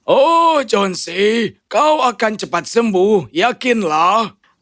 oh john c kau akan cepat sembuh yakinlah